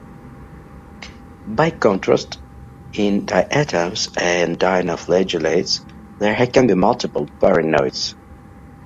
By contrast, in diatoms and dinoflagellates, there can be multiple pyrenoids.